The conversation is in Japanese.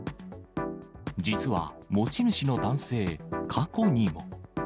実は持ち主の男性、過去にも。